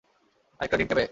আরেকটা ড্রিঙ্ক নেবে?